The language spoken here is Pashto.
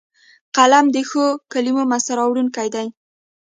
قلم د ښو کلمو منځ ته راوړونکی دی